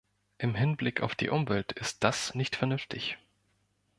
Im Hinblick auf die Umwelt ist das nicht vernünftig.